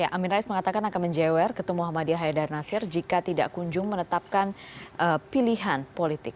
amin rais mengatakan akan menjewer ketua muhammadiyah haidar nasir jika tidak kunjung menetapkan pilihan politik